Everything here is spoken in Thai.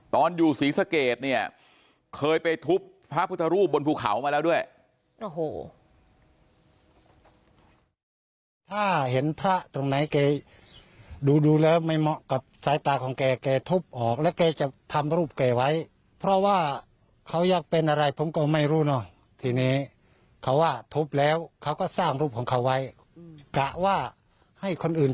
ตอนอยู่ศรีสะเกดเนี่ยเคยไปทุบพระพุทธรูปบนภูเขามาแล้วด้วย